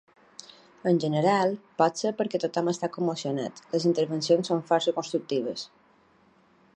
En general, potser perquè tothom està commocionat, les intervencions són força constructives.